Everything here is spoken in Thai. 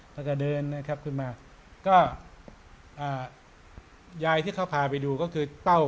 แล้วก็เดินนะครับขึ้นมาก็อ่ายายที่เขาพาไปดูก็คือเต้า